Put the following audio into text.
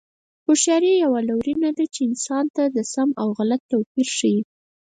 هوښیاري یوه لورینه ده چې انسان ته د سم او غلط توپیر ښيي.